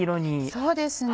そうですね。